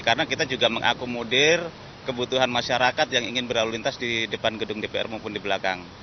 karena kita juga mengakomodir kebutuhan masyarakat yang ingin berlalu lintas di depan gedung dpr maupun di belakang